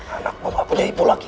anakmu mau aku jadi ibu lagi